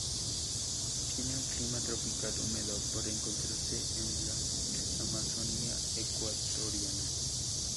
Tiene un clima tropical húmedo por encontrarse en la Amazonía ecuatoriana.